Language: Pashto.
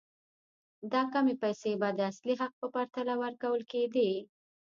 دا کمې پیسې به د اصلي حق په پرتله ورکول کېدې.